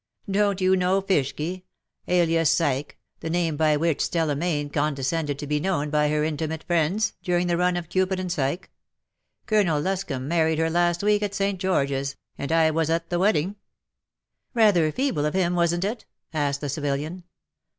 " Don't you know Fishky, alias Psyche, the name by which Stella Mayne condescended to be known by her intimate friends^ during the run of ' Cupid and Psyche/ Colonel Luscomb married her last week at St. George's, and I was at the wedding." " Rather feeble of him, wasn't it ?" asked the civilian.